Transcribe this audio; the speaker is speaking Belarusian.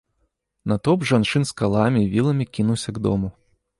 Натоўп жанчын з каламі і віламі кінуўся к дому.